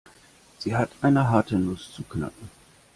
Sie hat eine harte Nuss zu knacken.